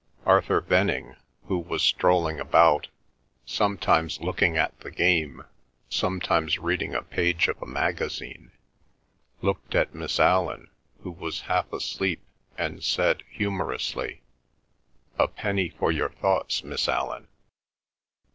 Arthur Venning who was strolling about, sometimes looking at the game, sometimes reading a page of a magazine, looked at Miss Allan, who was half asleep, and said humorously, "A penny for your thoughts, Miss Allan."